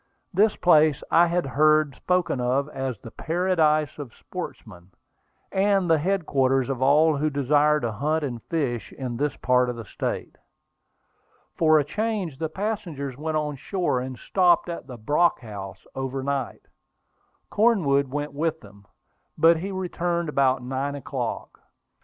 This place I had heard spoken of as the "paradise of sportsmen," and the headquarters of all who desire to hunt and fish in this part of the state. For a change, the passengers went on shore and stopped at the Brock House over night. Cornwood went with them, but he returned about nine o'clock.